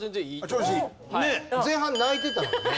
前半泣いてたのにね。